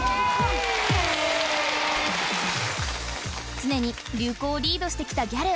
常に流行をリードしてきたギャル